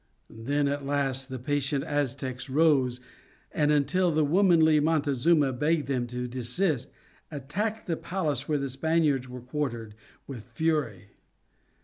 Then at last the patient Aztecs rose and until the womanly Montezuma begged them to desist, attacked the palace where the Spaniards were quartered, with fury.